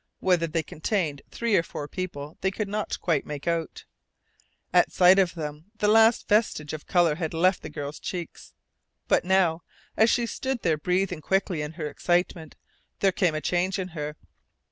Whether they contained three or four people they could not quite make out. At sight of them the last vestige of colour had left the girl's cheeks. But now, as she stood there breathing quickly in her excitement, there came a change in her.